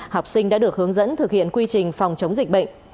học sinh đã được hướng dẫn thực hiện quy trình phòng chống dịch bệnh